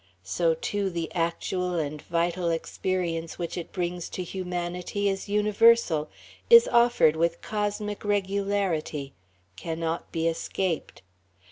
So, too, the actual and vital experience which it brings to humanity is universal, is offered with cosmic regularity, cannot be escaped.